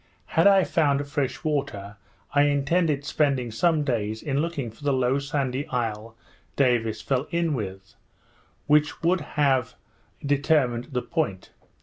Had I found fresh water, I intended spending some days in looking for the low sandy isle Davis fell in with, which would have determined the point.